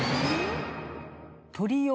鳥を。